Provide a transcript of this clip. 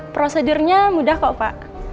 prosedurnya mudah kok pak